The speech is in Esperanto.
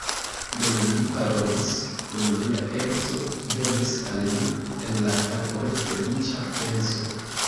Dum vi parolis kun mia edzo, venis al mi en la kapon feliĉa penso.